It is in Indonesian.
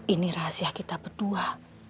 ini rahasia kita berdua